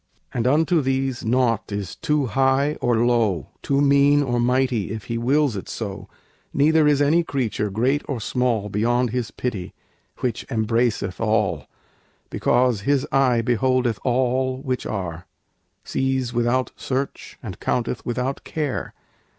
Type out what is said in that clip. And unto these naught is too high or low, Too mean or mighty, if He wills it so; Neither is any creature, great or small, Beyond His pity, which embraceth all, Because His eye beholdeth all which are; Sees without search, and counteth without care.